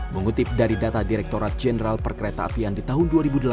mengutip dari data direkturat jenderal perkereta apian di tahun dua ribu delapan belas